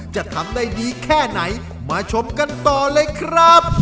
จะทำได้ดีแค่ไหนมาชมกันต่อเลยครับ